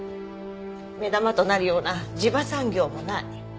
目玉となるような地場産業もない。